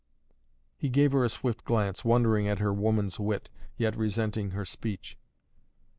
He gave her a swift glance, wondering at her woman's wit, yet resenting her speech.